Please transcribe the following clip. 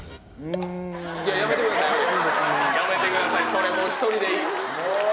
それもう１人でいい